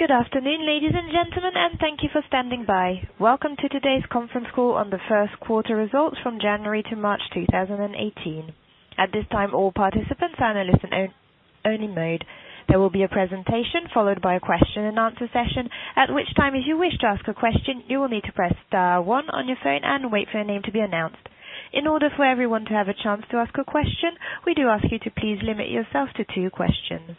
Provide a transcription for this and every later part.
Good afternoon, ladies and gentlemen, and thank you for standing by. Welcome to today's conference call on the first quarter results from January to March 2018. At this time, all participants are in a listen-only mode. There will be a presentation followed by a question and answer session, at which time, if you wish to ask a question, you will need to press star one on your phone and wait for your name to be announced. In order for everyone to have a chance to ask a question, we do ask you to please limit yourself to two questions.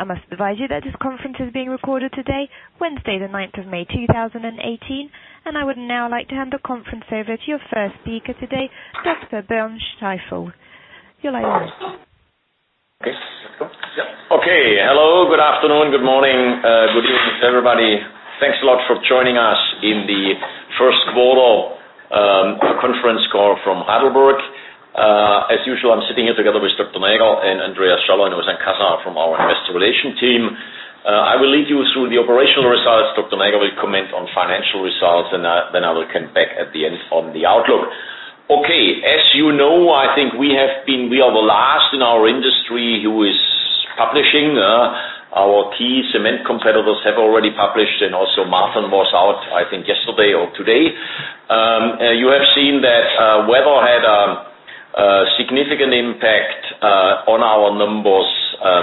I must advise you that this conference is being recorded today, Wednesday, the 9th of May 2018. I would now like to hand the conference over to your first speaker today, Dr. Bernd Scheifele. You're live. Okay. Let's go. Yeah. Hello, good afternoon, good morning, good evening, everybody. Thanks a lot for joining us in the first quarter conference call from HeidelbergCement. As usual, I am sitting here together with Dr. Näger and Andreas Schaller and Othmar H. Khasr from our investor relation team. I will lead you through the operational results. Dr. Näger will comment on financial results. I will come back at the end on the outlook. As you know, I think we are the last in our industry who is publishing. Our key cement competitors have already published. Also Martin Marietta was out, I think yesterday or today. You have seen that weather had a significant impact on our numbers,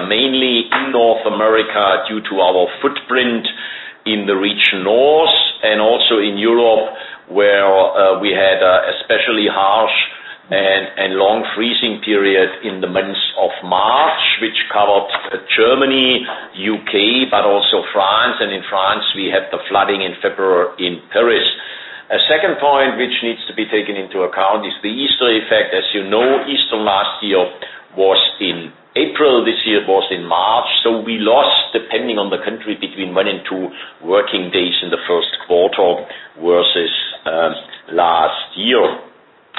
mainly in North America due to our footprint in the region north and also in Europe, where we had especially harsh and long freezing period in the months of March, which covered Germany, U.K., but also France. In France, we had the flooding in February in Paris. A second point which needs to be taken into account is the Easter effect. As you know, Easter last year was in April. This year it was in March. We lost, depending on the country, between one and two working days in the first quarter versus last year.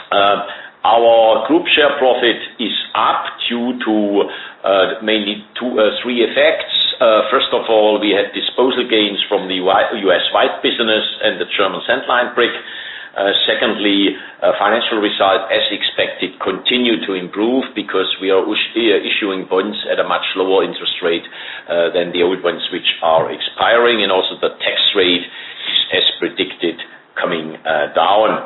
Our group share profit is up due to mainly three effects. First of all, we had disposal gains from the U.S. pipe business and the German Kalksandstein. Secondly, financial results, as expected, continue to improve because we are issuing bonds at a much lower interest rate than the old ones, which are expiring. Also, the tax rate is as predicted, coming down.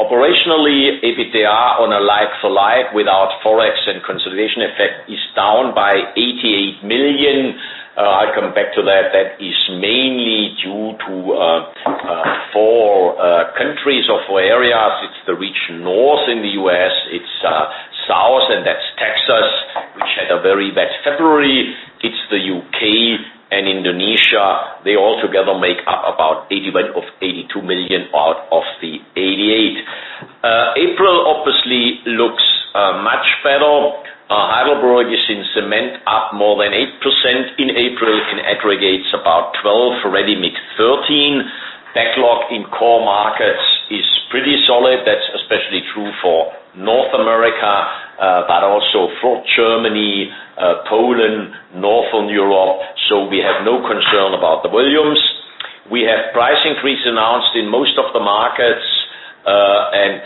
Operationally, EBITDA on a like-for-like without Forex and consolidation effect is down by 88 million. I'll come back to that. That is mainly due to four countries or four areas. It's the region north in the U.S., it's south, and that's Texas, which had a very bad February. It's the U.K. and Indonesia. They all together make up about 81 million of 82 million out of the 88 million. April obviously looks much better. Heidelberg is in cement up more than 8% in April. In aggregates about 12%, already mid 13%. Backlog in core markets is pretty solid. That's especially true for North America, for Germany, Poland, Northern Europe. We have no concern about the volumes. We have price increase announced in most of the markets.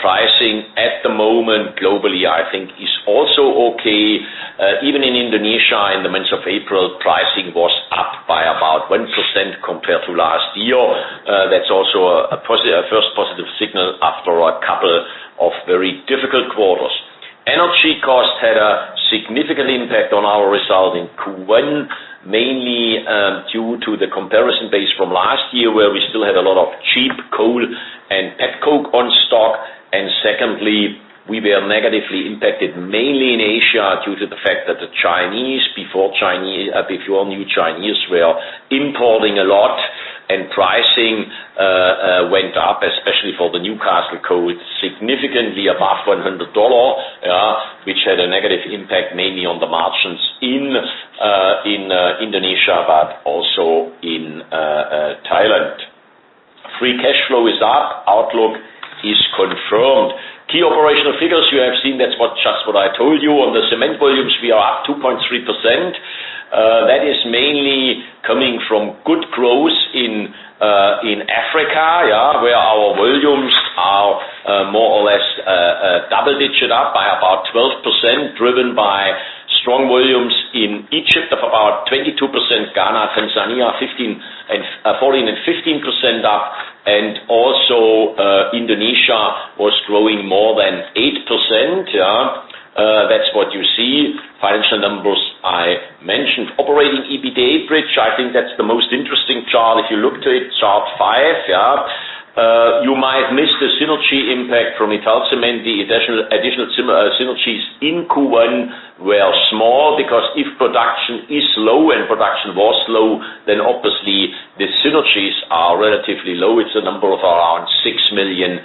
Pricing at the moment globally, I think is also okay. Even in Indonesia, in the month of April, pricing was up by about 1% compared to last year. That's also a first positive signal after a couple of very difficult quarters. Energy costs had a significant impact on our result in Q1, mainly due to the comparison base from last year, where we still had a lot of cheap coal and petcoke on stock. We were negatively impacted, mainly in Asia, due to the fact that the Chinese, before new Chinese, were importing a lot. Pricing went up, especially for the Newcastle coal, significantly above EUR 100, which had a negative impact mainly on the margins in Indonesia, but also in Thailand. Free cash flow is up. Outlook is confirmed. Key operational figures you have seen, that's just what I told you. On the cement volumes, we are up 2.3%. That is mainly coming from good growth in Africa, where our volumes are more or less double-digit up by about 12%, driven by strong volumes in Egypt of about 22%, Ghana, Tanzania, 14% and 15% up. Also, Indonesia was growing more than 8%. That's what you see. Financial numbers I mentioned. Operating EBITDA bridge, I think that's the most interesting chart. If you look to it, chart five. You might miss the synergy impact from Italcementi. Additional synergies in Q1 were small, because if production is low, production was low, the synergies are relatively low. It's a number of around 6 million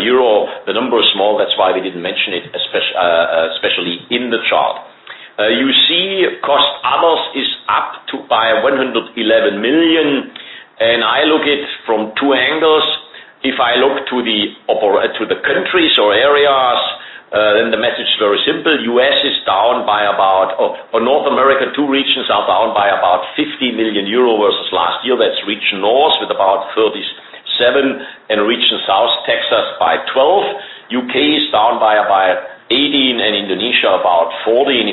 euro. The number is small, that's why we didn't mention it, especially in the chart. You see cost others is up by 111 million. I look at it from two angles. If I look to the countries or areas, the message is very simple. North America, two regions are down by about 50 million euro versus last year. That's region north.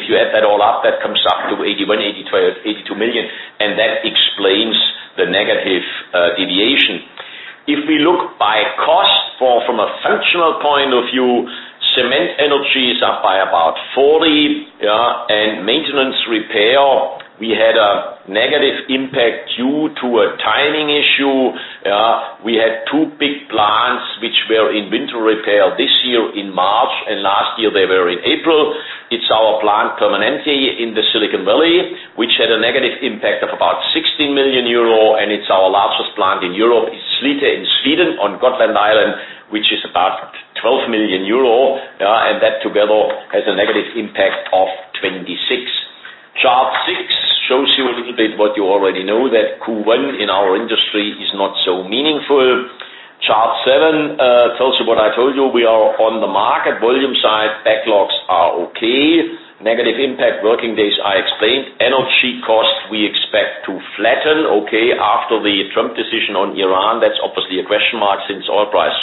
You add that all up, that comes up to 81 million, 82 million. That explains the negative deviation. If we look by cost, from a functional point of view, cement energy is up by about 40 million. Maintenance repair, we had a negative impact due to a timing issue. We had two big plants which were in winter repair this year in March. Last year they were in April. It's our plant Permanente in the Silicon Valley, which had a negative impact of about 16 million euro, and it's our largest plant in Europe, is Slite in Sweden on Gotland Island, which is about 10 million euro. That together has a negative impact of 26 million. Chart six shows you a little bit what you already know, that Q1 in our industry is not so meaningful. Chart seven tells you what I told you. We are on the market volume side. Backlogs are okay. Negative impact working days, I explained. Energy cost, we expect to flatten, okay. After the Trump decision on Iran, that's obviously a question mark, since oil price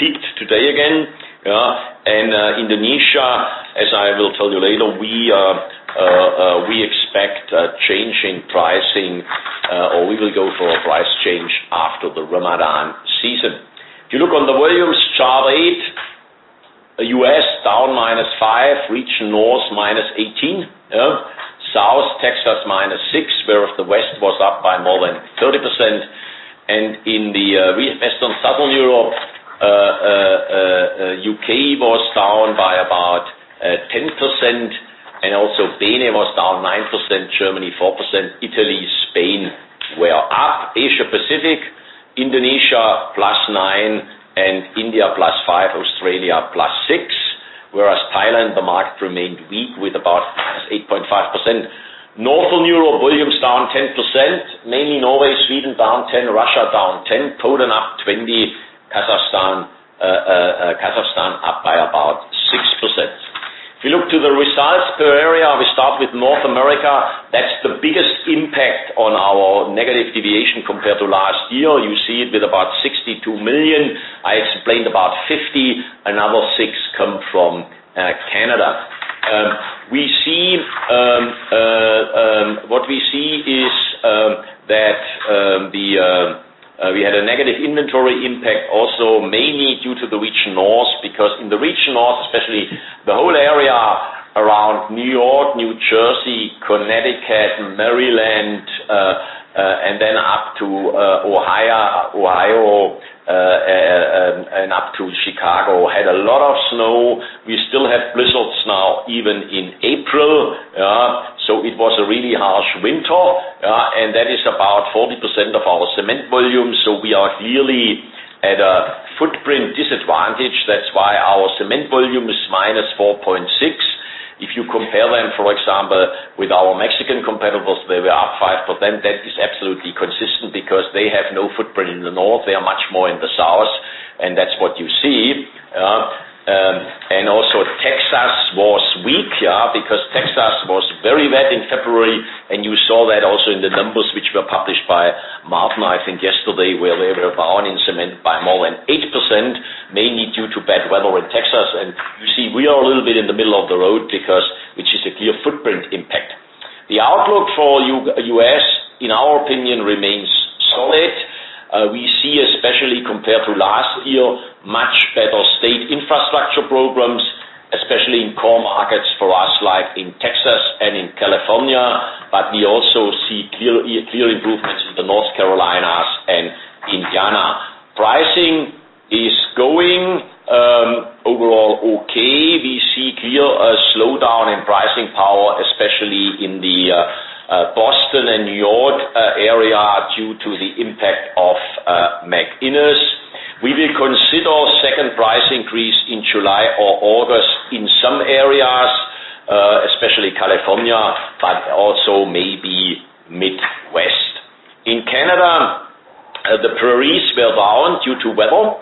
peaked today again. Indonesia, as I will tell you later, we expect a change in pricing, or we will go for a price change after the Ramadan season. If you look on the volumes, Chart eight, U.S., down -5%, Region North, -18%. South Texas, -6%, whereas the West was up by more than 30%. In the Western Southern Europe, U.K. was down by about 10%, and also Benin was down 9%, Germany 4%, Italy, Spain were up. Asia Pacific, Indonesia +9%, and India +5%, Australia +6%, whereas Thailand, the market remained weak with about 8.5%. Northern Europe volume is down 10%, mainly Norway, Sweden, down 10%, Russia down 10%, Poland up 20%, Kazakhstan up by about 6%. If you look to the results per area, we start with North America. That's the biggest impact on our negative deviation compared to last year. You see it with about 62 million. I explained about 50 million, another 6 million come from Canada. What we see is that we had a negative inventory impact also mainly due to the Region North, because in the Region North, especially the whole area around New York, New Jersey, Connecticut, Maryland, and then up to Ohio, and up to Chicago, had a lot of snow. We still have blizzards now, even in April. It was a really harsh winter, and that is about 40% of our cement volume. We are clearly at a footprint disadvantage. That's why our cement volume is -4.6%. If you compare them, for example, with our Mexican competitors, they were up 5%. That is absolutely consistent because they have no footprint in the North, they are much more in the South, and that's what you see. Also Texas was weak, because Texas was very wet in February, and you saw that also in the numbers which were published by Martin, I think yesterday, where they were down in cement by more than 8%, mainly due to bad weather in Texas. You see we are a little bit in the middle of the road, which is a clear footprint impact. The outlook for U.S., in our opinion, remains solid. We see, especially compared to last year, much better state infrastructure programs, especially in core markets for us, like in Texas and in California, but we also see clear improvements in North Carolina and Indiana. Pricing is going overall okay. We see clear slowdown in pricing power, especially in the Boston and New York area, due to the impact of McInnis. We will consider second price increase in July or August in some areas, especially California, but also maybe Midwest. In Canada, the Prairies were down due to weather,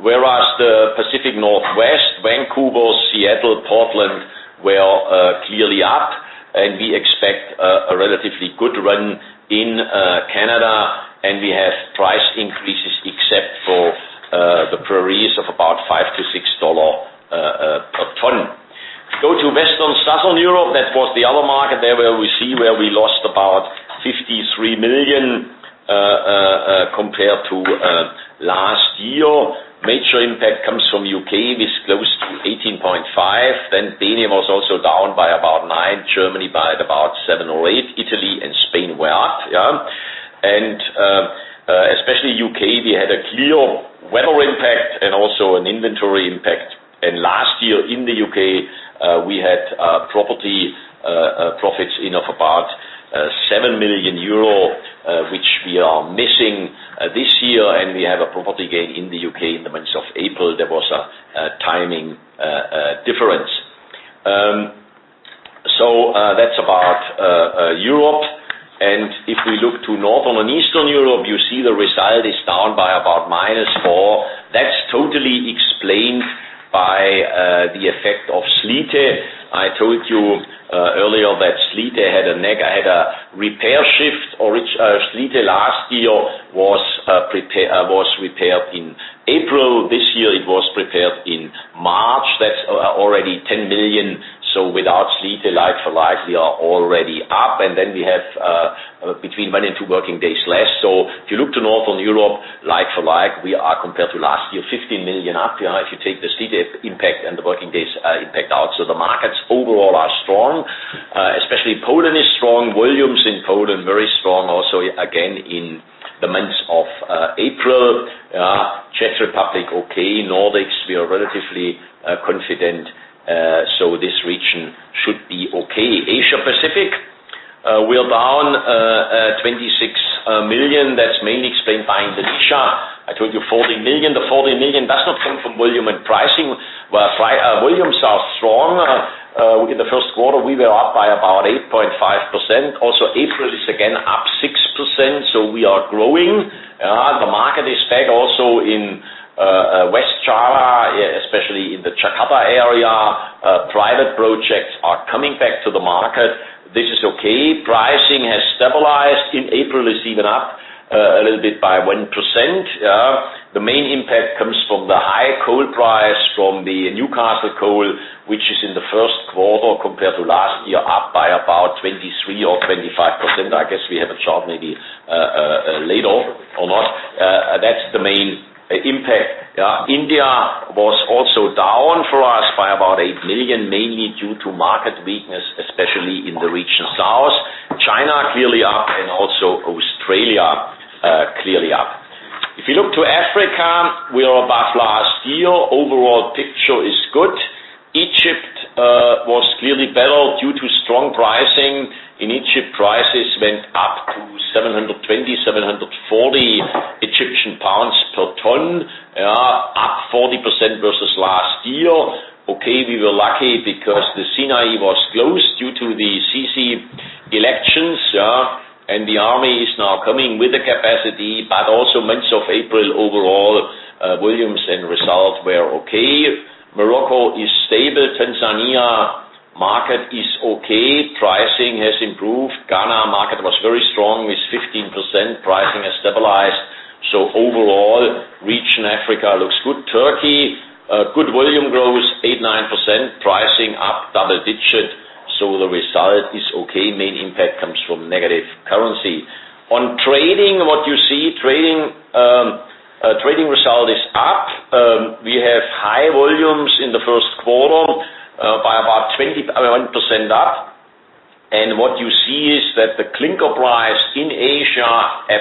whereas the Pacific Northwest, Vancouver, Seattle, Portland, were clearly up, and we expect a relatively good run in Canada, and we have price increases, except for the Prairies, of about $5-$6 per ton. If we go to Western Southern Europe, that was the other market there where we see where we lost about 53 million compared to last year. Major impact comes from U.K., with close to 18.5 million. Benin was also down by about 9 million, Germany by about 7 million or 8 million. Italy and Spain were up. Especially U.K., we had a clear weather impact and also an inventory impact. Last year in the U.K., we had property profits in of about 7 million euro, which we are missing this year, and we have a property gain in the U.K. in the month of April. There was a timing difference. That's about Europe. If we look to Northern and Eastern Europe, you see the result is down by about minus 4 million. That's totally explained by the effect of Slite. I told you earlier that Slite had a repair shift. Was prepared in March. That's already 10 million, so without seasonality for like, we are already up, and then we have between one and two working days less. If you look to Northern Europe, like-for-like, we are compared to last year, 15 million up, if you take the seasonality impact and the working days impact out. The markets overall are strong, especially Poland is strong. Volumes in Poland very strong also again in the months of April. Czech Republic, okay. Nordics, we are relatively confident, so this region should be okay. Asia Pacific, we're down 26 million. That's mainly explained by Indonesia. I told you 14 million. The 14 million does not come from volume and pricing. Volumes are strong. In the first quarter, we were up by about 8.5%. Also, April is again up 6%, so we are growing. The market is back also in West Java, especially in the Jakarta area. Private projects are coming back to the market. This is okay. Pricing has stabilized. In April it's even up a little bit by 1%. The main impact comes from the high coal price from the Newcastle coal, which is in the first quarter compared to last year, up by about 23% or 25%. I guess we have a chart maybe later or not. That's the main impact. India was also down for us by about 8 million, mainly due to market weakness, especially in the region south. China, clearly up and also Australia, clearly up. If you look to Africa, we are above last year. Overall picture is good. Egypt was clearly better due to strong pricing. In Egypt, prices went up to 720 Egyptian pounds, 740 Egyptian pounds per ton. Up 40% versus last year. Okay, we were lucky because the Sinai was closed due to the Sisi elections, and the army is now coming with the capacity, but also months of April overall, volumes and results were okay. Morocco is stable. Tanzania market is okay. Pricing has improved. Ghana market was very strong with 15%. Pricing has stabilized. Overall, region Africa looks good. Turkey, good volume growth, 8, 9%. Pricing up double digit. The result is okay. Main impact comes from negative currency. On trading result is up. We have high volumes in the first quarter by about 21% up. The clinker price in Asia,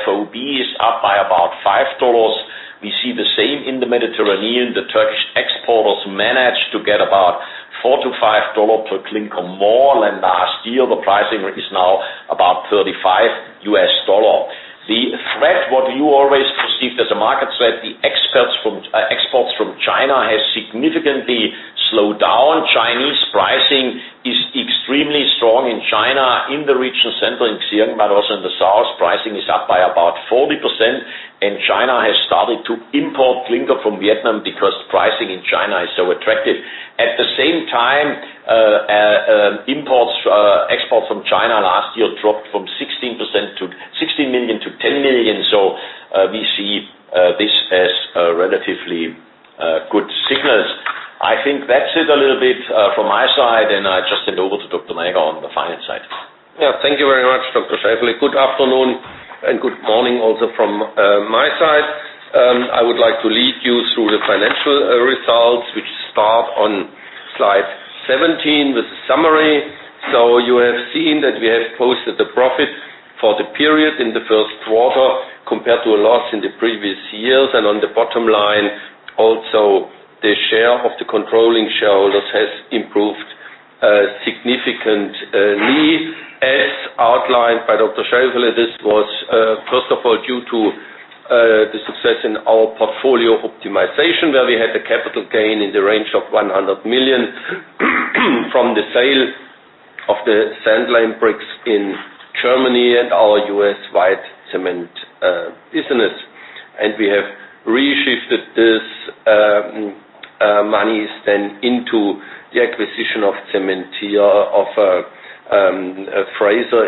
FOB is up by about $5. We see the same in the Mediterranean. The Turkish exporters managed to get about $4 to $5 per clinker more than last year. The pricing is now about $35 USD. The threat, the exports from China has significantly slowed down. Chinese pricing is extremely strong in China, in the regional center in Xi'an, but also in the south, pricing is up by about 40%. China has started to import clinker from Vietnam because pricing in China is so attractive. At the same time, exports from China last year dropped from 16 million to 10 million. We see this as relatively good signals. I think that's it a little bit from my side. I just hand over to Dr. Näger on the finance side. Thank you very much, Dr. Scheifele. Good afternoon and good morning also from my side. I would like to lead you through the financial results, which start on slide 17 with a summary. You have seen that we have posted a profit for the period in the first quarter compared to a loss in the previous years, and on the bottom line, also, the share of the controlling shareholders has improved significantly. As outlined by Dr. Scheifele, this was, first of all, due to the success in our portfolio optimization, where we had a capital gain in the range of $100 million from the sale of the Kalksandstein in Germany and our U.S. white cement business. We have reshifted these monies then into the acquisition of Cementir of BGC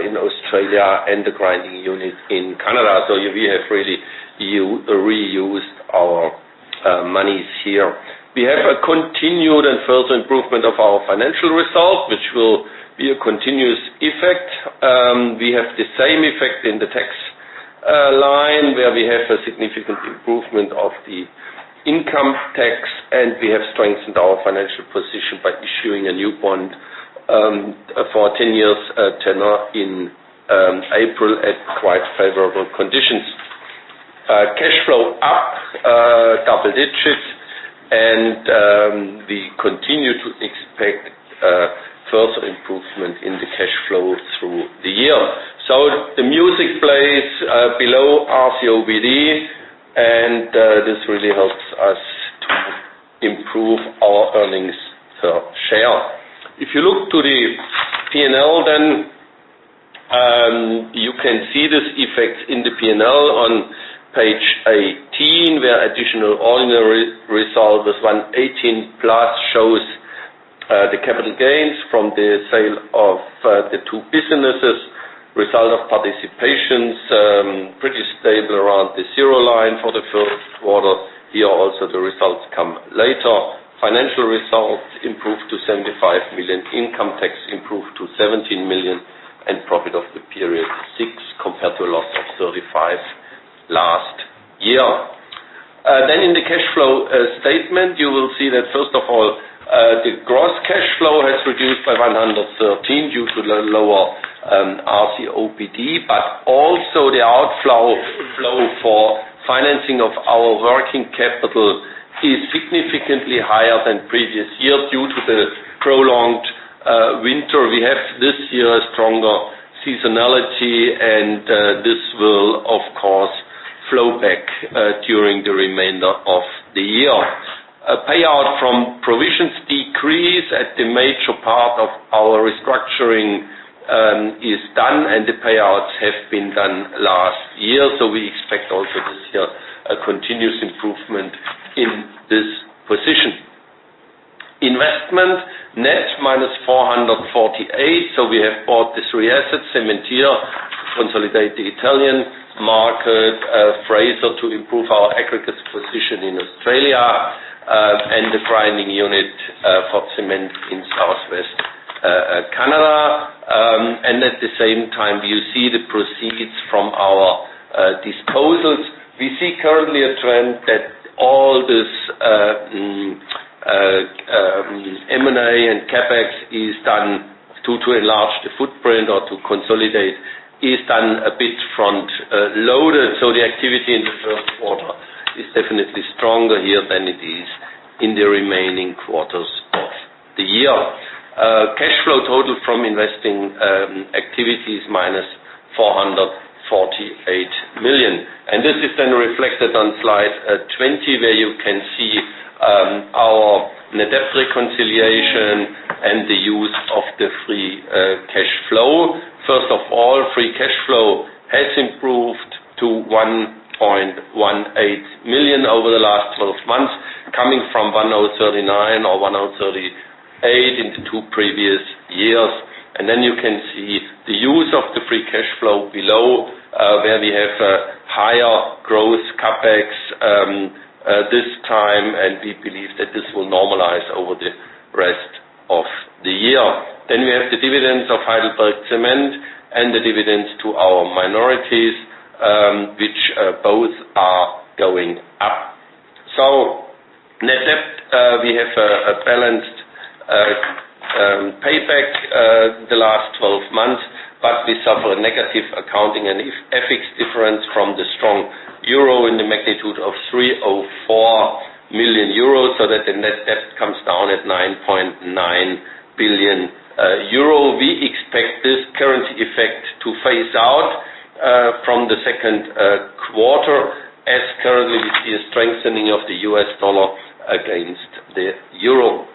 in Australia and the grinding unit in Canada. We have really reused our monies here. We have a continued and further improvement of our financial results, which will be a continuous effect. We have the same effect in the tax line, where we have a significant improvement of the income tax. We have strengthened our financial position by issuing a new bond for a 10-year term in April at quite favorable conditions. Cash flow up double digits. We continue to expect further improvement in the cash flow through the year. The music plays below RCOBD, and this really helps us to improve our earnings per share. If you look to the P&L, you can see this effect in the P&L on page 18, where additional ordinary result was EUR 118 million. Result of participations, pretty stable around the zero line for the first quarter. Here also the results come later. Financial results improved to 75 million, income tax improved to 17 million, profit of the period, 6, compared to a loss of 35 last year. In the cash flow statement, you will see that, first of all, the gross cash flow has reduced by 113 due to the lower RCOBD. Also the outflow for financing of our working capital is significantly higher than previous years due to the prolonged winter. We have this year a stronger seasonality, and this will, of course, flow back during the remainder of the year. Payout from provisions decrease as the major part of our restructuring is done, and the payouts have been done last year. We expect also this year a continuous improvement in this position. Investment, net minus 448. We have bought the three assets, Cementir, consolidate the Italian market, Fraser to improve our aggregates position in Australia, and the grinding unit for cement in Southwest Canada. At the same time, you see the proceeds from our disposals. We see currently a trend that all this M&A and CapEx is done to enlarge the footprint or to consolidate, is done a bit front-loaded. The activity in the first quarter is definitely stronger here than it is in the remaining quarters of the year. Cash flow total from investing activities, minus 448 million. This is then reflected on slide 20, where you can see our net debt reconciliation and the use of the free cash flow. First of all, free cash flow has improved to 1.18 million over the last 12 months, coming from 1.039 million or 1.038 million in the two previous years. You can see the use of the free cash flow below, where we have a higher growth CapEx this time, and we believe that this will normalize over the rest of the year. We have the dividends of HeidelbergCement and the dividends to our minorities, which both are going up. Net debt, we have a balanced payback the last 12 months, but we suffer a negative accounting and FX difference from the strong euro in the magnitude of 304 million euros, so that the net debt comes down at 9.9 billion euro. We expect this currency effect to phase out from the second quarter, as currently we see a strengthening of the U.S. dollar against the euro.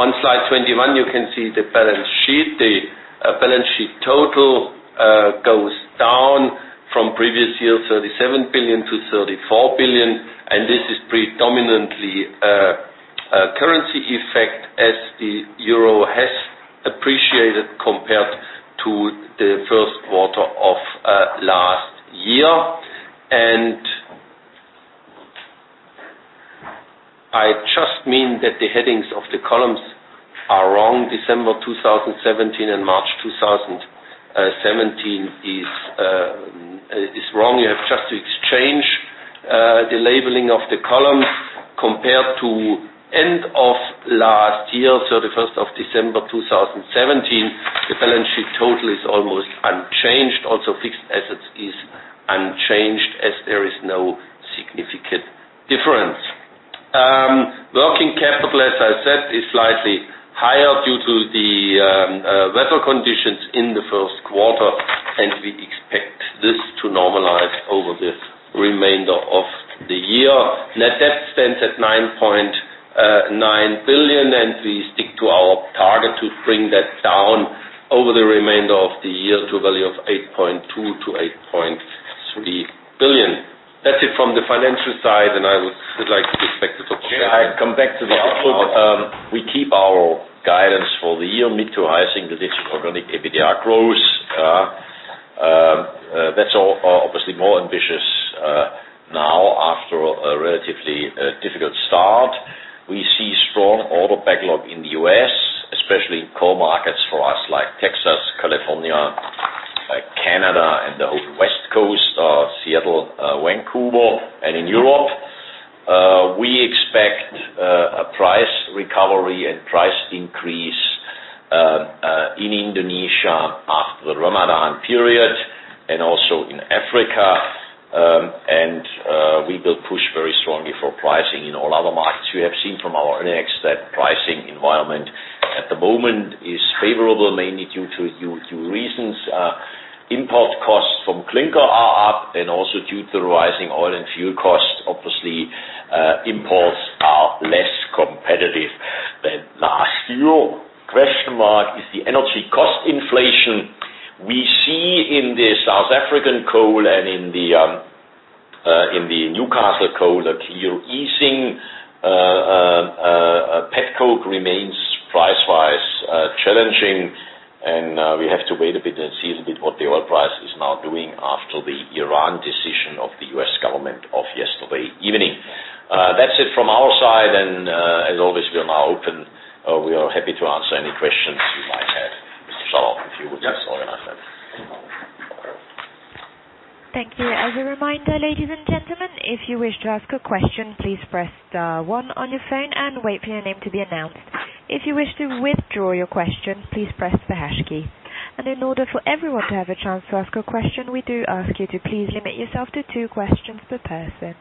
On slide 21, you can see the balance sheet. The balance sheet total goes down from previous year, 37 billion to 34 billion. This is predominantly a currency effect as the euro has appreciated compared to the first quarter of last year. I just mean that the headings of the columns are wrong. December 2017 and March 2017 is wrong. You have just to exchange the labeling of the columns compared to end of last year, so the 1st of December 2017. The balance sheet total is almost unchanged. Fixed assets is unchanged as there is no significant difference. Working capital, as I said, is slightly higher due to the weather conditions in the first quarter, and we expect this to normalize over the remainder of the year. Net debt stands at 9.9 billion, and we stick to our target to bring that down over the remainder of the year to a value of 8.2 billion to 8.3 billion. That's it from the financial side. I would like to get back to Scheifele. I come back to the outlook. We keep our guidance for the year, mid-to high single digits organic EBITDA growth. That's all obviously more ambitious now after a relatively difficult start. We see strong order backlog in the U.S., especially in core markets for us like Texas, California, Canada, and the whole West Coast, Seattle, Vancouver. In Europe, we expect a price recovery and price increase in Indonesia after the Ramadan period and also in Africa. We will push very strongly for pricing in all other markets. You have seen from our earnings that pricing environment at the moment is favorable, mainly due to reasons. Import costs from clinker are up, and also due to the rising oil and fuel costs, obviously, imports are less competitive than last year. Question mark is the energy cost inflation we see in South Africa. In the Newcastle coal, a clear easing. Petcoke remains price-wise challenging, and we have to wait a bit and see a little bit what the oil price is now doing after the Iran decision of the U.S. government of yesterday evening. That's it from our side, and as always, we are now open. We are happy to answer any questions you might have. Mr. Schaller, if you would just organize that. Thank you. As a reminder, ladies and gentlemen, if you wish to ask a question, please press one on your phone and wait for your name to be announced. If you wish to withdraw your question, please press the hash key. In order for everyone to have a chance to ask a question, we do ask you to please limit yourself to two questions per person.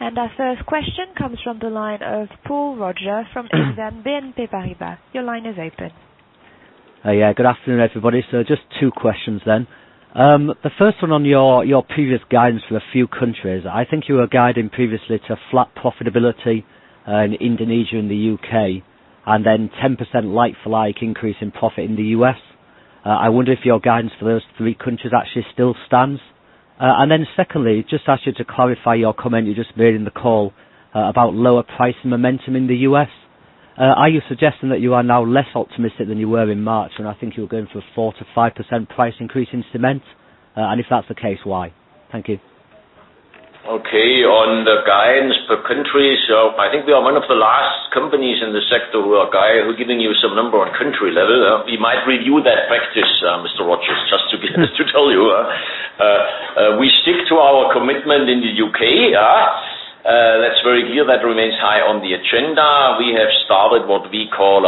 Our first question comes from the line of Paul Roger from Exane BNP Paribas. Your line is open. Good afternoon, everybody. Just two questions then. The first one on your previous guidance for a few countries. I think you were guiding previously to flat profitability in Indonesia and the U.K., and then 10% like-for-like increase in profit in the U.S. I wonder if your guidance for those three countries actually still stands. Secondly, just ask you to clarify your comment you just made in the call about lower price and momentum in the U.S. Are you suggesting that you are now less optimistic than you were in March when I think you were going for 4%-5% price increase in cement? If that's the case, why? Thank you. Okay. On the guidance per country. I think we are one of the last companies in the sector who are giving you some number on country level. We might review that practice, Mr. Roger, just to be honest to tell you. We stick to our commitment in the U.K. That's very clear. That remains high on the agenda. We have started what we call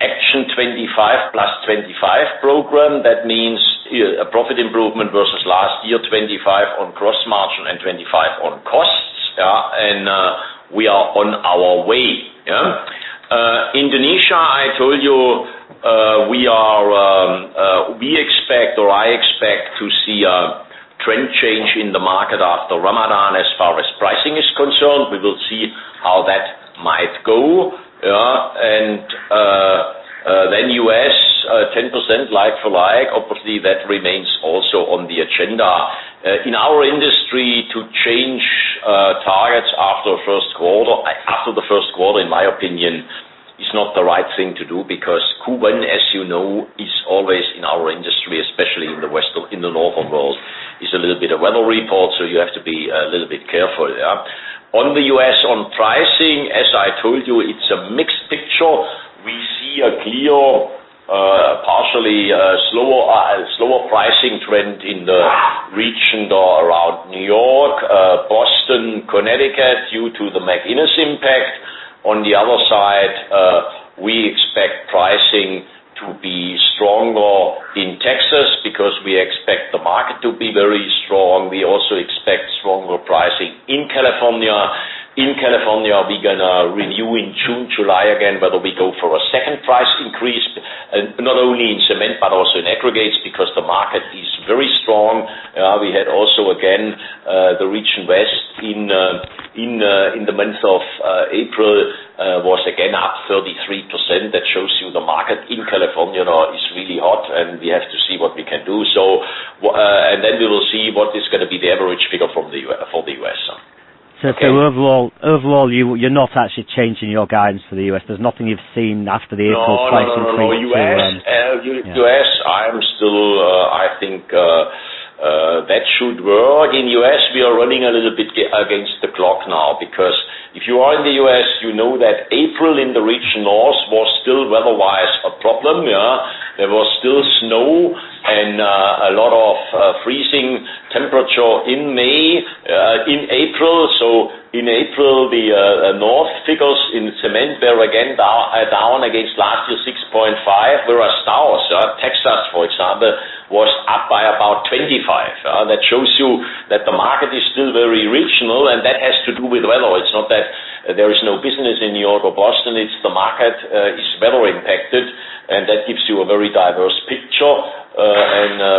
Action 25 plus 25 program. That means a profit improvement versus last year, 25 on gross margin and 25 on costs. We are on our way. Indonesia, I told you, we expect or I expect to see a trend change in the market after Ramadan as far as pricing is concerned. We will see how that might go. U.S., 10% like-for-like. Obviously, that remains also on the agenda. In our industry, to change targets after the first quarter, in my opinion, is not the right thing to do because Q1, as you know, is always in our industry, especially in the northern world, is a little bit of weather report, so you have to be a little bit careful. On the U.S., on pricing, as I told you, it's a mixed picture. We see a clear, partially slower pricing trend in the region around New York, Boston, Connecticut due to the McInnis impact. On the other side, we expect pricing to be stronger in Texas because we expect the market to be very strong. We also expect stronger pricing in California. In California, we're going to review in June, July again, whether we go for a second price increase, not only in cement but also in aggregates because the market is very strong. We had also, again, the region West in the month of April was again up 33%. That shows you the market in California is really hot, and we have to see what we can do. We will see what is going to be the average figure for the U.S. Overall, you're not actually changing your guidance for the U.S. There's nothing you've seen after the April pricing? No. To bring it to. U.S., I think that should work. In U.S., we are running a little bit against the clock now, because if you are in the U.S., you know that April in the region North was still weather-wise a problem. There was still snow and a lot of freezing temperature in April. In April, the North figures in cement there, again, are down against last year, 6.5%, whereas South, Texas, for example, was up by about 25%. That shows you that the market is still very regional, and that has to do with weather. It's not that there is no business in New York or Boston. It's the market is weather impacted, and that gives you a very diverse picture.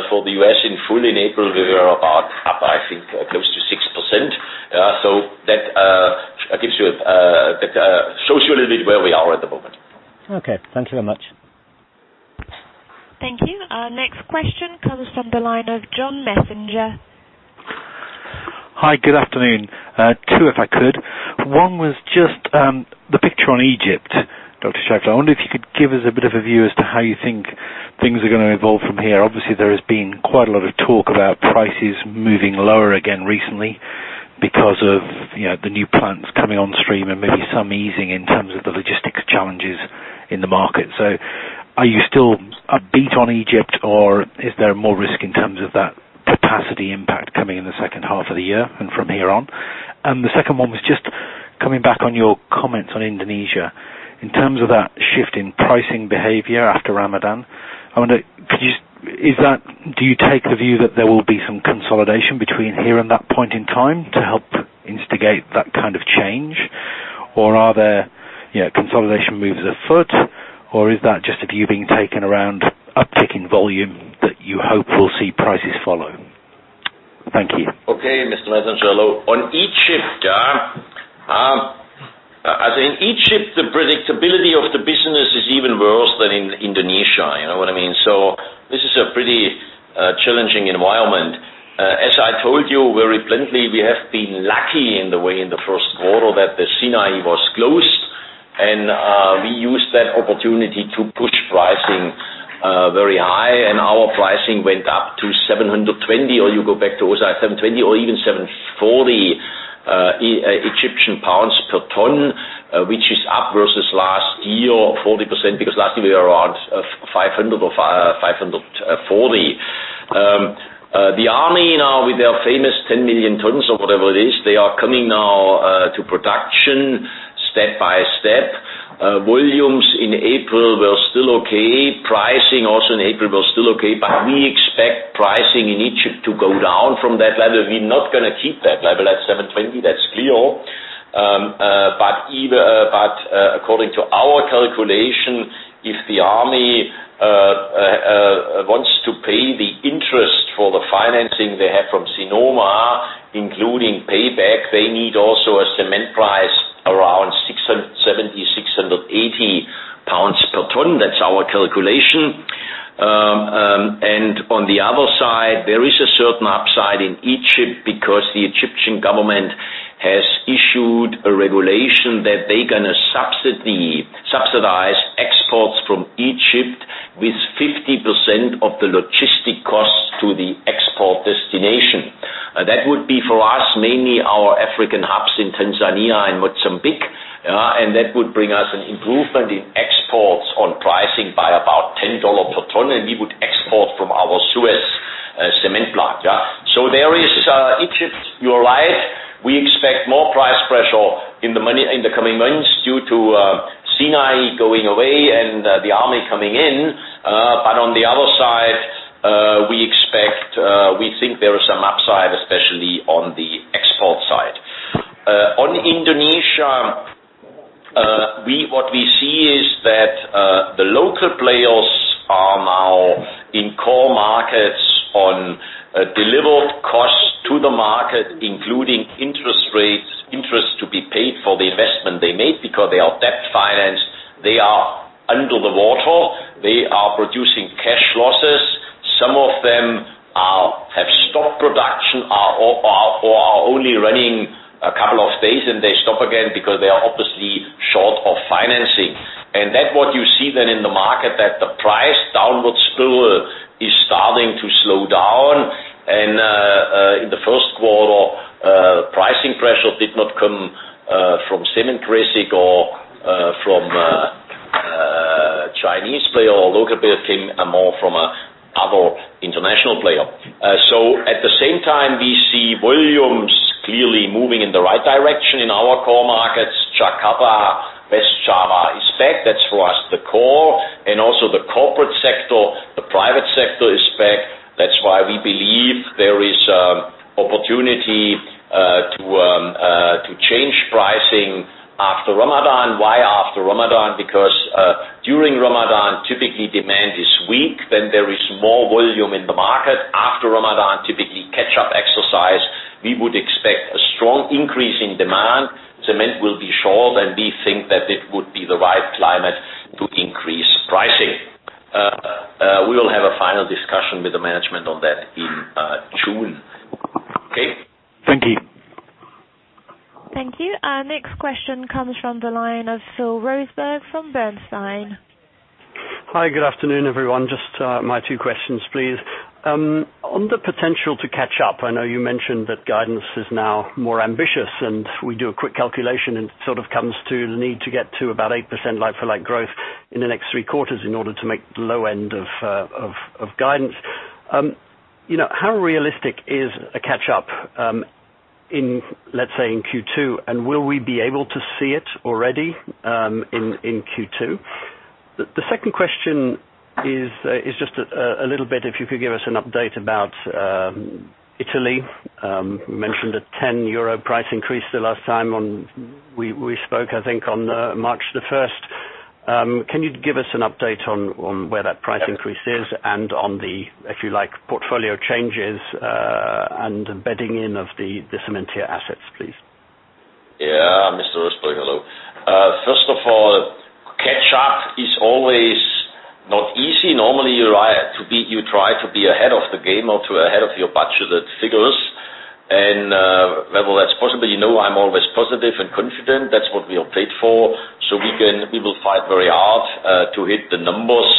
For the U.S. in full in April, we were about up, I think, close to 6%. That shows you a little bit where we are at the moment. Okay. Thank you very much. Thank you. Our next question comes from the line of John Messenger. Hi. Good afternoon. Two, if I could. One was just the picture on Egypt, Dr. Scheifele. I wonder if you could give us a bit of a view as to how you think things are going to evolve from here. Obviously, there has been quite a lot of talk about prices moving lower again recently because of the new plants coming on stream and maybe some easing in terms of the logistics challenges in the market. Are you still upbeat on Egypt, or is there more risk in terms of that capacity impact coming in the second half of the year and from here on? The second one was just coming back on your comments on Indonesia. In terms of that shift in pricing behavior after Ramadan, do you take the view that there will be some consolidation between here and that point in time to help instigate that kind of change? Are there consolidation moves afoot, or is that just a view being taken around uptick in volume that you hope will see prices follow? Thank you. Okay, Mr. Messenger. On Egypt, it's a pretty challenging environment. As I told you very plainly, we have been lucky in the way in the first quarter that the Sinai was closed, and we used that opportunity to push pricing very high, and our pricing went up to 720, or you go back to, 720 or even 740 Egyptian pounds per ton, which is up versus last year, 40%, because last year we were around 500 or 540. The army now, with their famous 10 million tons or whatever it is, they are coming now to production step by step. Volumes in April were still okay. Pricing also in April was still okay, we expect pricing in Egypt to go down from that level. We're not going to keep that level at 720. That's clear. According to our calculation, if the army wants to pay the interest for the financing they have from Sinoma, including payback, they need also a cement price around 670, 680 Egyptian pounds per ton. That is our calculation. On the other side, there is a certain upside in Egypt because the Egyptian government has issued a regulation that they are going to subsidize exports from Egypt with 50% of the logistic cost to the export destination. That would be for us, mainly our African hubs in Tanzania and Mozambique, and that would bring us an improvement in exports on pricing by about $10 per ton, and we would export from our Suez cement plant. There is Egypt. You are right. We expect more price pressure in the coming months due to Sinai going away and the army coming in. On the other side, we think there is some upside, especially on the export side. On Indonesia, what we see is that the local players are now in core markets on delivered costs to the market, including interest rates, interest to be paid for the investment they made because they are debt-financed. They are under the water. They are producing cash losses. Some of them have stopped production or are only running a couple of days, and they stop again because they are obviously short of financing. That what you see then in the market, that the price downward spill is starting to slow down. In the first quarter, pricing pressure did not come from Cementir or from a Chinese player or local building, and more from other international player. At the same time, we see volumes clearly moving in the right direction in our core markets. Jakarta, West Java is back. That is for us, the core, and also the corporate sector. The private sector is back. That is why we believe there is opportunity to change pricing after Ramadan. Why after Ramadan? Because during Ramadan, typically, demand is weak. There is more volume in the market. After Ramadan, typically catch-up exercise. We would expect a strong increase in demand. Cement will be short, and we think that it would be the right climate to increase pricing. We will have a final discussion with the management on that in June. Okay? Thank you. Thank you. Our next question comes from the line of Phil Roseberg from Bernstein. Hi, good afternoon, everyone. Just my 2 questions, please. On the potential to catch up, I know you mentioned that guidance is now more ambitious. We do a quick calculation, and it sort of comes to the need to get to about 8% like-for-like growth in the next 3 quarters in order to make the low end of guidance. How realistic is a catch up, let's say in Q2? Will we be able to see it already in Q2? The second question is just a little bit, if you could give us an update about Italy. You mentioned a 10 euro price increase the last time we spoke, I think on March 1st. Can you give us an update on where that price increase is and on the, if you like, portfolio changes and bedding in of the Cementir assets, please? Yeah, Mr. Roseberg, hello. First of all, catch up is always not easy. Normally, you try to be ahead of the game or ahead of your budgeted figures. Whether that's possible, you know I'm always positive and confident. That's what we are paid for. We will fight very hard to hit the numbers.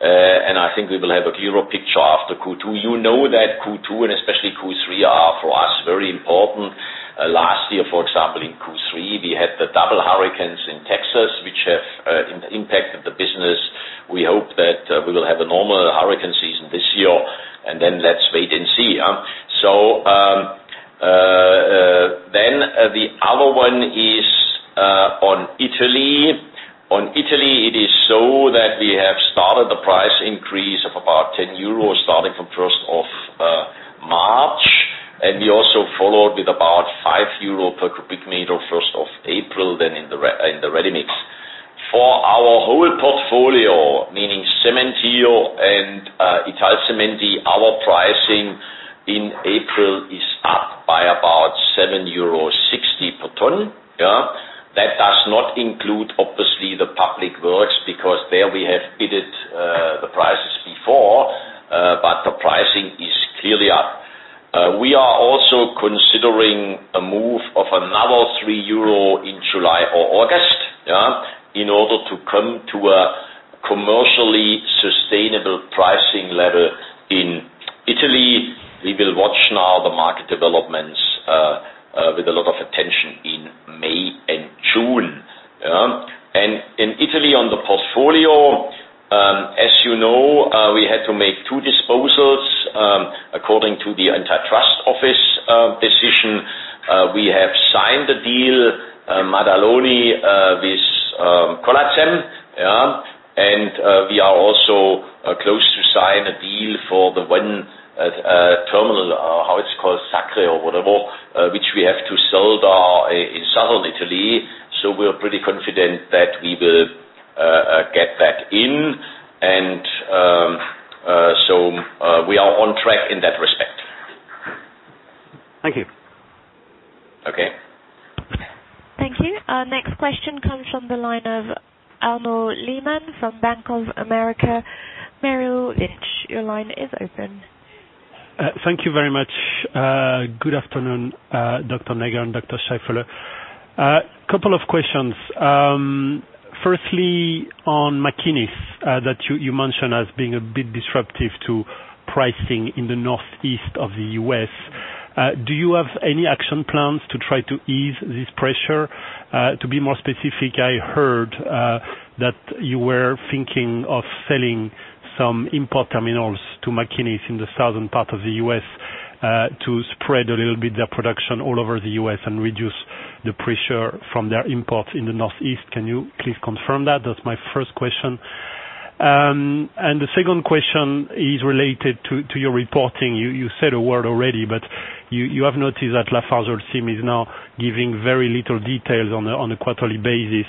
I think we will have a clearer picture after Q2. You know that Q2 and especially Q3 are, for us, very important. Last year, for example, in Q3, we had the double hurricanes in Texas, which have impacted the business. We hope that we will have a normal hurricane season this year, and then let's wait and see. The other one is on Italy. On Italy, it is so that we have started the price increase of about 10 euros, starting from March 1st. We also followed with about 5 euro per cubic meter, April 1st, then in the ready mix. For our whole portfolio, meaning Cementir and Italcementi. The public works because there we have bidded the prices before, but the pricing is clearly up. We are also considering a move of another 3 euro in July or August in order to come to a commercially sustainable pricing level in Italy. We will watch now some import terminals to McInnis in the southern part of the U.S. to spread a little bit their production all over the U.S. and reduce the pressure from their imports in the northeast. Can you please confirm that? That's my first question. The second question is related to your reporting. You said a word already, but you have noticed that LafargeHolcim is now giving very little details on a quarterly basis,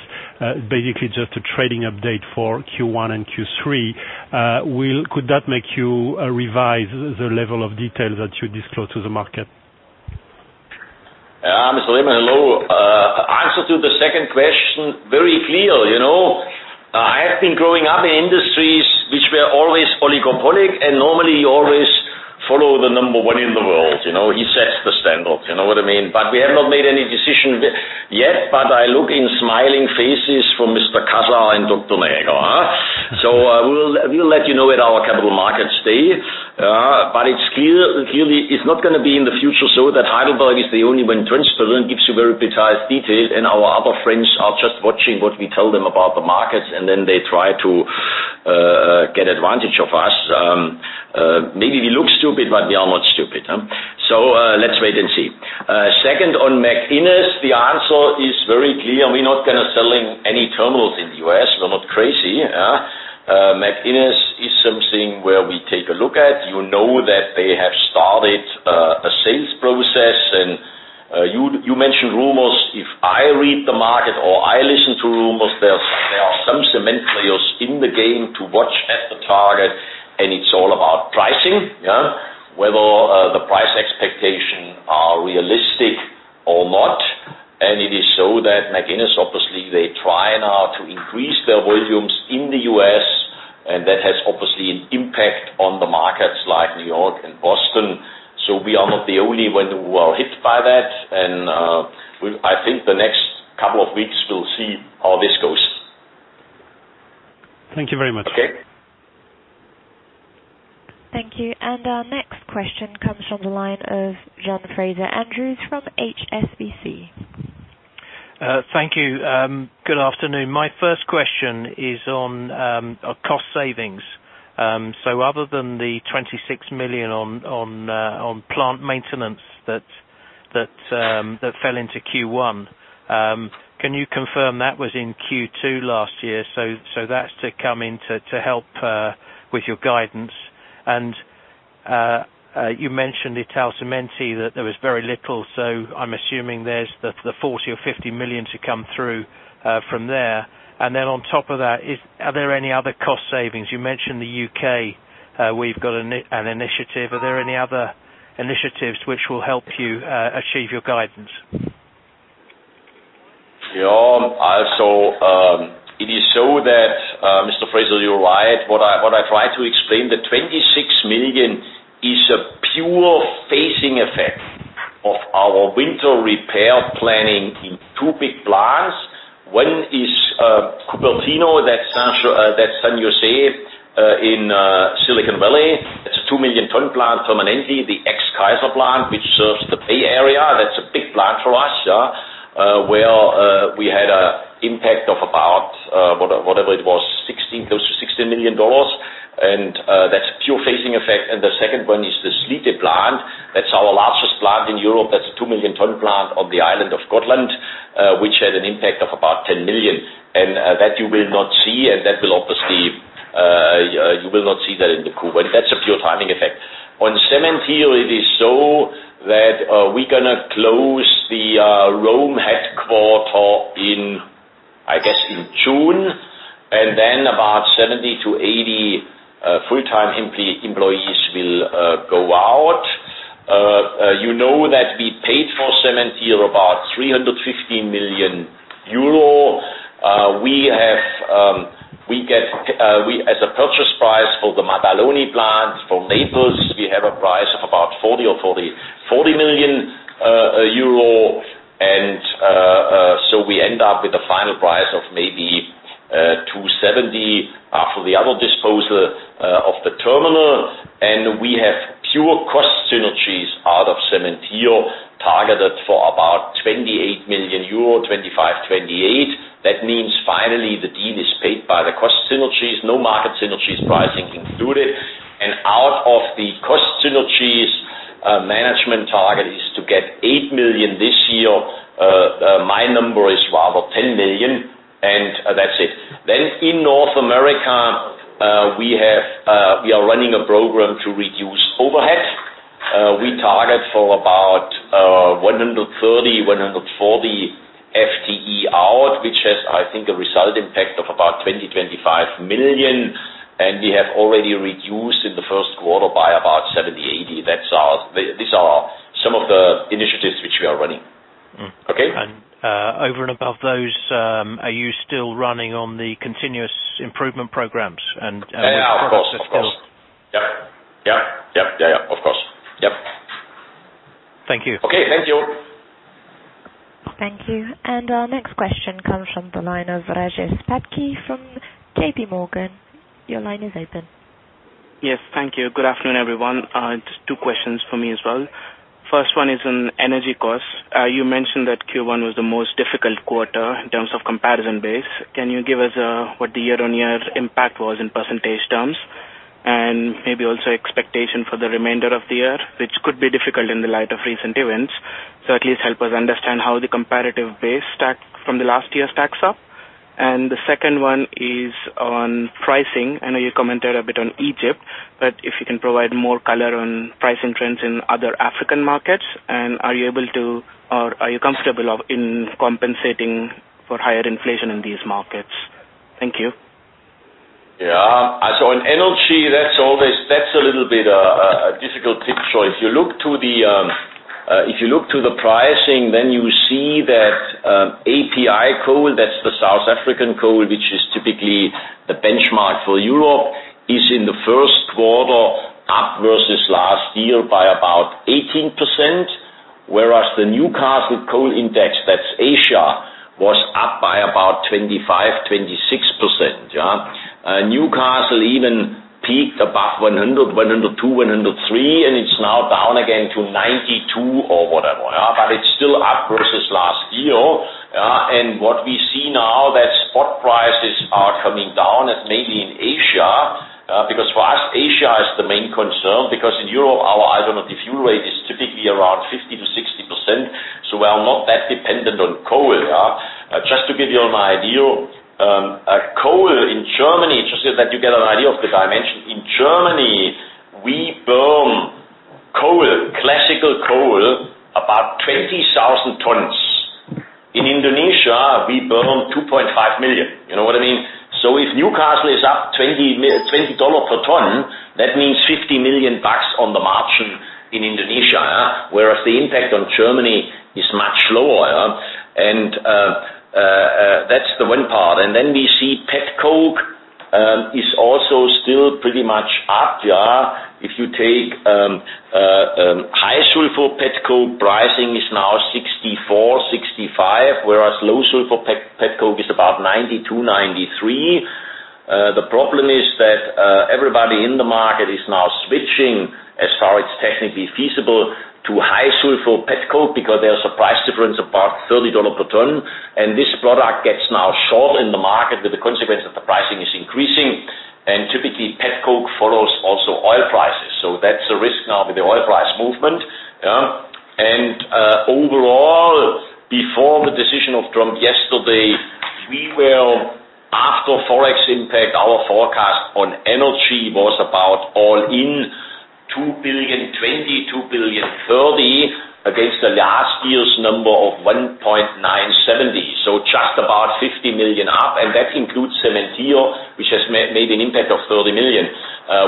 basically just a trading update for Q1 and Q3. Could that make you revise the level of detail that you disclose to the market? Mr. Lehmann, hello. Answer to the second question, very clear. I have been growing up in industries which were always oligopolistic. Normally you always follow the number one in the world. He sets the standard, you know what I mean? We have not made any decision yet, but I look in smiling faces from Mr. Käsberger and Dr. Näger. We'll let you know at our capital market stage. It's clearly it's not going to be in the future so that Heidelberg is the only one in Switzerland gives you very detailed. Our other friends are just watching what we tell them about the markets, and then they try to get advantage of us. Maybe we look stupid, but we are not stupid. Let's wait and see. Second on McInnis, the answer is very clear. We're not going to selling any terminals in the U.S. We're not crazy. McInnis is something where we take a look at. You know that they have started a sales process. You mentioned rumors. If I read the market or I listen to rumors, there are some cement players in the game to watch as the target, and it's all about pricing, whether the price expectations are realistic or not. It is so that McInnis, obviously, they try now to increase their volumes in the U.S., and that has obviously an impact on the markets like New York and Boston. We are not the only one who are hit by that. I think the next couple of weeks, we'll see how this goes. Thank you very much. Okay. Thank you. Our next question comes from the line of John Fraser-Andrews from HSBC. Thank you. Good afternoon. My first question is on cost savings. Other than the 26 million on plant maintenance that fell into Q1, can you confirm that was in Q2 last year? That's to come in to help with your guidance. You mentioned Italcementi that there was very little, I'm assuming there's the 40 million or 50 million to come through from there. On top of that, are there any other cost savings? You mentioned the U.K., we've got an initiative. Are there any other initiatives which will help you achieve your guidance? Yeah. Also, it is so that, Mr. Fraser, you're right. What I try to explain, the 26 million is a pure phasing effect of our winter repair planning in two big plants. One is, Cupertino, that's San Jose in Silicon Valley. That's a 2-million-ton plant, Permanente, the ex-Kaiser plant, which serves the Bay Area. That's a big plant for us, where we had a impact of about, whatever it was, close to EUR 16 million. That's a pure phasing effect. The second one is the Slite plant. That's our largest plant in Europe. That's a 2-million-ton plant on the island of Gotland, which had an impact of about 10 million. That you will not see. You will not see that in the Q. That's a pure timing effect. On Cementir, it is so that we're going to close the Rome headquarters in, I guess in June, and then about 70 to 80 full-time employees will go out, Here about EUR 350 million. As a purchase price for the Maddaloni plant from Naples, we have a price of about 40 million or 40 million euro. We end up with a final price of maybe 270 after the other disposal of the terminal. We have pure cost synergies out of Cementir targeted for about 28 million euro, 25, 28. That means finally the deal is paid by the cost synergies. No market synergies pricing included. Out of the cost synergies, management target is to get 8 million this year. My number is rather 10 million, and that's it. In North America, we are running a program to reduce overhead. We target for about 130, 140 FTE out, which has, I think, a result impact of about 20 million-25 million. We have already reduced in the first quarter by about 70-80. These are some of the initiatives which we are running. Okay? Over and above those, are you still running on the continuous improvement programs and Yeah, of course. still- Yep. Of course. Yep. Thank you. Okay, thank you. Thank you. Our next question comes from the line of Rajesh Patki from J.P. Morgan. Your line is open. Yes, thank you. Good afternoon, everyone. Just two questions for me as well. First one is on energy costs. You mentioned that Q1 was the most difficult quarter in terms of comparison base. Can you give us what the year-on-year impact was in percentage terms? Maybe also expectation for the remainder of the year, which could be difficult in the light of recent events. At least help us understand how the comparative base stack from the last year stacks up. The second one is on pricing. I know you commented a bit on Egypt, but if you can provide more color on price trends in other African markets, and are you able to, or are you comfortable in compensating for higher inflation in these markets? Thank you. Yeah. On energy, that's a little bit a difficult picture. If you look to the pricing, you see that API coal, that's the South African coal, which is typically a benchmark for Europe, is in the first quarter up versus last year by about 18%, whereas the Newcastle coal index, that's Asia, was up by about 25%-26%. Newcastle even peaked above 100, 102, 103, and it's now down again to 92 or whatever. It's still up versus last year. What we see now that spot prices are coming down, maybe in Asia. Because for us, Asia is the main concern because in Europe, our alternative fuel rate is typically around 50%-60%, so we are not that dependent on coal. Just to give you an idea, coal in Germany, just so that you get an idea of the dimension. In Germany, we burn coal, classical coal, about 20,000 tons. In Indonesia, we burn 2.5 million. You know what I mean? If Newcastle is up $20 per ton, that means $50 million on the margin in Indonesia. Whereas the impact on Germany is much lower. That's the one part. We see petcoke, is also still pretty much up, yeah. If you take high-sulfur petcoke pricing is now 64, 65, whereas low-sulfur petcoke is about 92, 93. The problem is that everybody in the market is now switching as far it's technically feasible to high-sulfur petcoke because there's a price difference of about $30 per ton. This product gets now short in the market with the consequence that the pricing is increasing. Typically petcoke follows also oil prices. That's a risk now with the oil price movement. Overall, before the decision of Trump yesterday, after Forex impact, our forecast on energy was about all in 2.02 billion, 2.03 billion against the last year's number of 1.97 billion. Just about 50 million up, and that includes Cementir, which has made an impact of 30 million.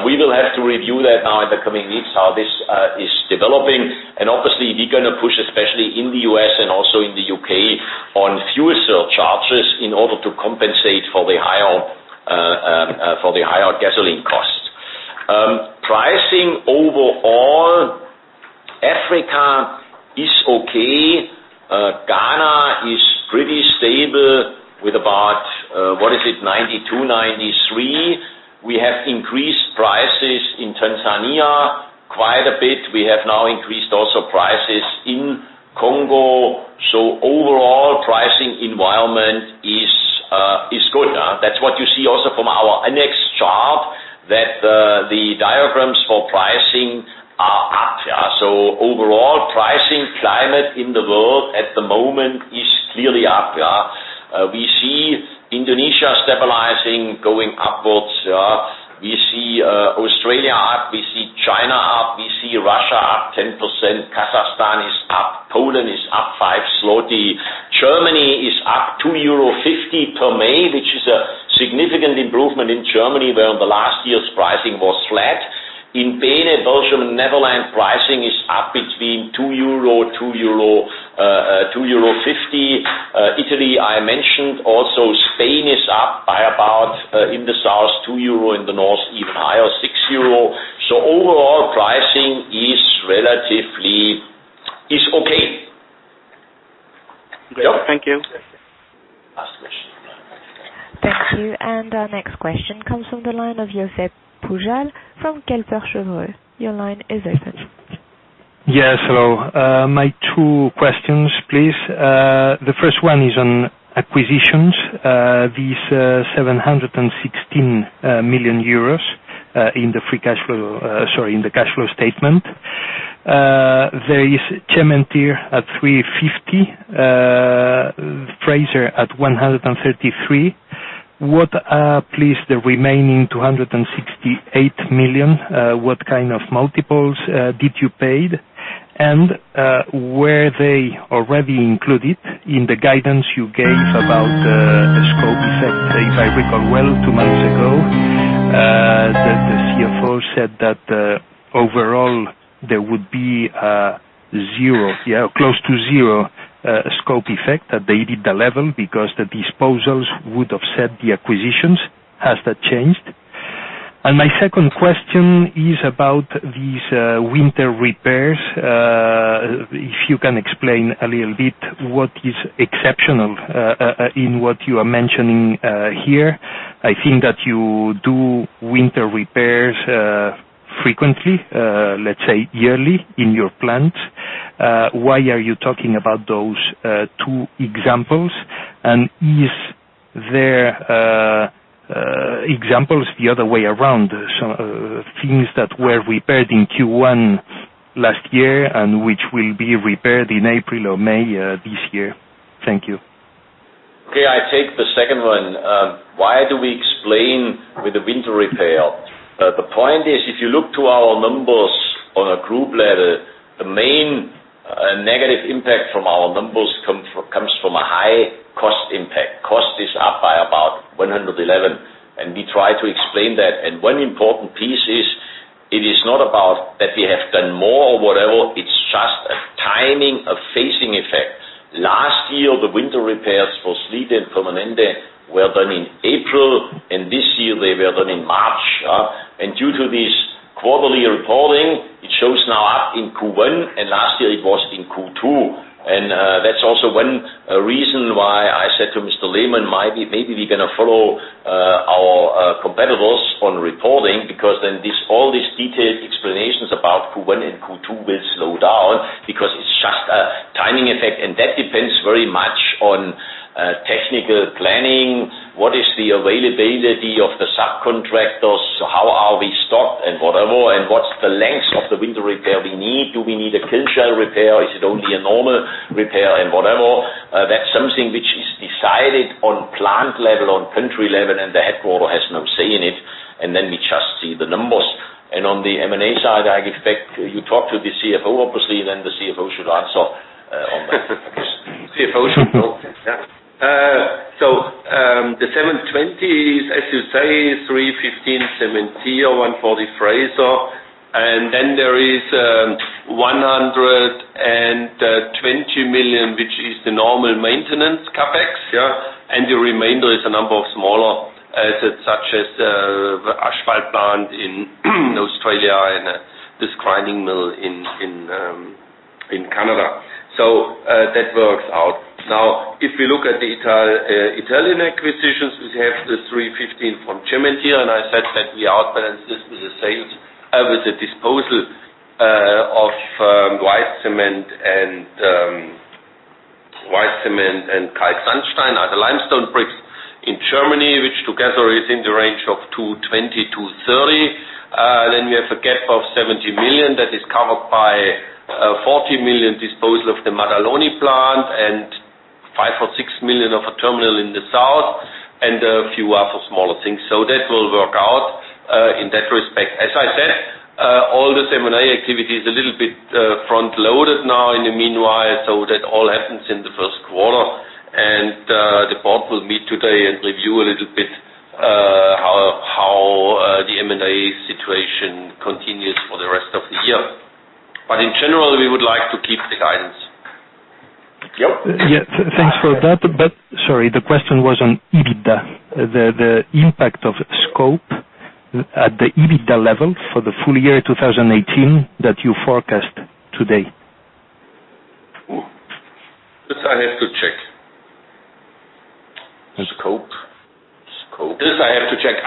We will have to review that now in the coming weeks, how this is developing. Obviously we're going to push, especially in the U.S. and also in the U.K., on fuel surcharges in order to compensate for the higher gasoline costs. Pricing overall, Africa is okay. Ghana is pretty stable with about, what is it, 92, 93. We have increased prices in Tanzania quite a bit. We have now increased also prices in Congo. Overall pricing environment is good. That's what you see also from our annex chart, that the diagrams for pricing are up. Overall pricing climate in the world at the moment is clearly up, yeah. We see Indonesia stabilizing, going upwards. We see Australia up, we see China up, we see Russia up 10%. Kazakhstan is up. Poland is up 5 zloty. Germany, Belgium and Netherlands pricing is up between 2 euro, 2.50 euro. Italy, I mentioned also Spain is up by about, in the south, 2 euro, in the north, even higher, 6 euro. Overall pricing is okay. Great. Thank you. Thank you. Our next question comes from the line of Josep Pujal from Kepler Cheuvreux. Your line is open. Yes. Hello. My two questions, please. The first one is on acquisitions. These 716 million euros in the cash flow statement. There is Cementir at 350, BGC at 133. What are, please, the remaining 268 million? What kind of multiples did you pay? Were they already included in the guidance you gave about the scope effect? If I recall well, two months ago, the CFO said that overall there would be close to zero scope effect at the EBITDA level because the disposals would offset the acquisitions. Has that changed? My second question is about these winter repairs. If you can explain a little bit what is exceptional in what you are mentioning here. I think that you do winter repairs frequently, let's say yearly, in your plant. Why are you talking about those two examples? Is there examples the other way around? Some things that were repaired in Q1 last year and which will be repaired in April or May this year. Thank you. Okay. I take the second one. Why do we explain with the winter repair? The point is, if you look to our numbers on a group level, the main negative impact from our numbers comes from a high cost impact. Cost is up by about 111, and we try to explain that. One important piece is, it is not about that we have done more or whatever. It's just a timing, a phasing effect. Last year, the winter repairs for Slite and Permanente were done in April, and this year they were done in March. Due to this quarterly reporting, it shows now up in Q1, and last year it was in Q2. That's also one reason why I said to Mr. Lehmann, maybe we're going to follow our competitors on reporting because then all these detailed explanations about Q1 and Q2 will slow down because it's just a timing effect. That depends very much on technical planning. What is the availability of the subcontractors? How are we stocked and whatever, and what's the length of the winter repair we need? Do we need a kiln shell repair? Is it only a normal repair and whatever? That's something which is decided on plant level, on country level, and the headquarter has no say in it, and then we just see the numbers. On the M&A side, I expect you talk to the CFO, obviously, then the CFO should answer on that question. CFO should know. Yeah. The 720 is, as you say, 315 Cementir, 140 BGC, and then there is 120 million, which is the normal maintenance CapEx. Yeah. The remainder is a number of smaller assets such as the asphalt plant in Australia and this grinding mill in Canada. That works out. Now, if we look at the Italian acquisitions, we have the 315 from Cementir, and I said that we outbalance this with the disposal of white cement and Kalksandstein, are the limestone bricks in Germany, which together is in the range of 220-230. We have a gap of 70 million that is covered by 40 million disposal of the Maddaloni plant and 5 or 6 million of a terminal in the south and a few other smaller things. That will work out in that respect. As I said, all the M&A activity is a little bit front-loaded now in the meanwhile, so that all happens in the first quarter. The board will meet today and review a little bit how the M&A situation continues for the rest of the year. In general, we would like to keep the guidance. Yep. Thanks for that. Sorry, the question was on EBITDA. The impact of scope at the EBITDA level for the full year 2018 that you forecast today. This I have to check. Scope? This I have to check.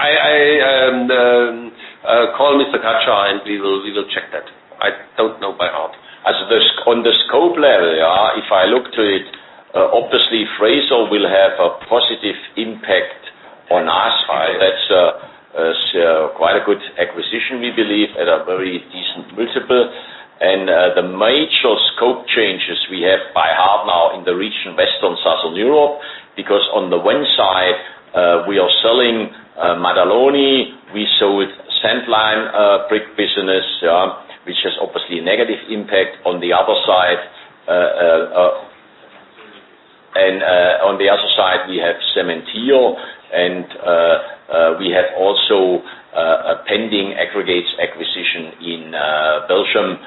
Call Mr. Katcha, and we will check that. I don't know by heart. On the scope level, if I look to it, obviously, BGC will have a positive impact on us. That's quite a good acquisition, we believe, at a very decent multiple. The major scope changes we have by half now in the region Western, Southern Europe, because on the one side, we are selling Maddaloni. We sold sand-lime brick business, which has obviously a negative impact. On the other side, we have Cementir, and we have also a pending aggregates acquisition in Belgium.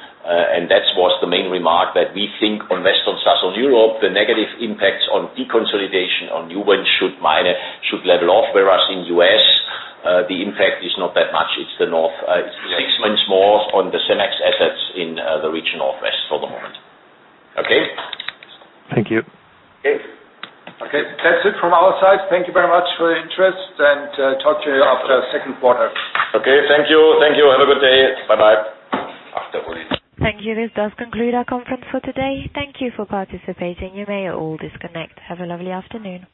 That was the main remark that we think on Western, Southern Europe, the negative impacts on deconsolidation on new ones should level off. Whereas in U.S., the impact is not that much. It's the north. It's six months more on the Cemex assets in the region northwest for the moment. Okay? Thank you. Okay. Okay. That's it from our side. Thank you very much for your interest, Talk to you after second quarter. Okay, thank you. Thank you. Have a good day. Bye-bye. Thank you. This does conclude our conference for today. Thank you for participating. You may all disconnect. Have a lovely afternoon.